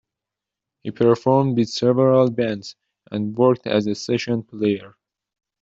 He performed with several bands and worked as a session player.